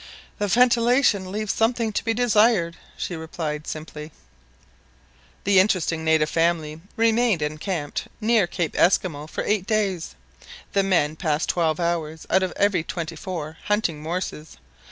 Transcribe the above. "The ventilation leaves something to be desired !" she replied simply. The interesting native family remained encamped near Cape Esquimaux for eight days. The men passed twelve hours out of every twenty four hunting morses.